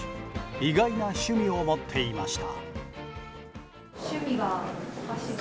意外な趣味を持っていました。